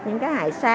những cái hài xa